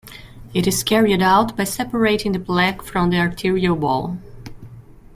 It is carried out by separating the plaque from the arterial wall.